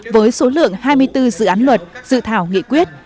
với số lượng hai mươi bốn dự án luật dự thảo nghị quyết